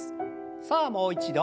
さあもう一度。